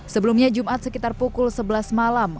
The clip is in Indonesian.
sebelumnya jumat sekitar pukul sebelas malam